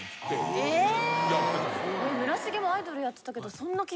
村重もアイドルやってたけど。